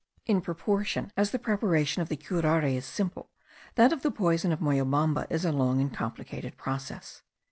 In proportion as the preparation of the curare is simple, that of the poison of Moyobamba is a long and complicated process.